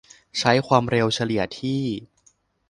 ใช้ความเร็วเฉลี่ยที่